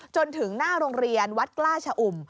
จนถึงหน้าโรงเรียนวัดกล้าชะอุ่ม